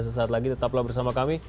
sesaat lagi tetaplah bersama kami